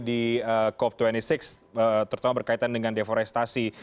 di cop dua puluh enam terutama berkaitan dengan deforestasi